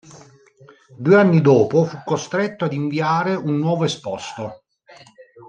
Due anni dopo fu costretto ad inviare un nuovo esposto.